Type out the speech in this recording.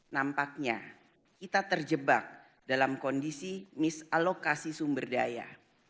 nampaknya kita terjebak dalam kondisi mislokasi sumber daya